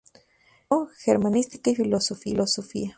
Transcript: Cursó Germanística y Filosofía.